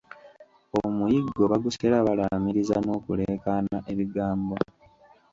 Omuyiggo bagusera balaamiriza n'okuleekana ebigambo